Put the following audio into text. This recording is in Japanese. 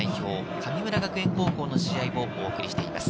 ・神村学園高校の試合をお送りしています。